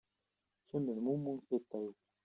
Kem d mummu n tiṭ-iw.